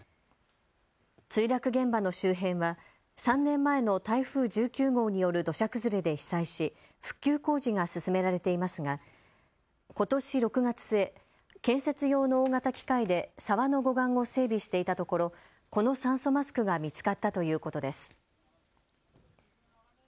墜落現場の周辺は３年前の台風１９号による土砂崩れで被災し復旧工事が進められていますがことし６月末、建設用の大型機械で沢の護岸を整備していたところこの酸素マスクが見つかったということです。